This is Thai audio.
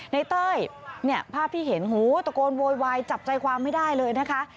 เต้ยเนี่ยภาพที่เห็นหูตะโกนโวยวายจับใจความไม่ได้เลยนะคะ